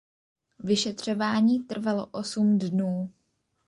Vyšetřování trvalo osm dnů.